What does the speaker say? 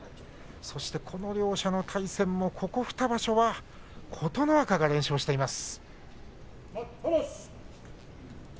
そして、この両者の対戦もここ２場所は琴ノ若が連勝しています。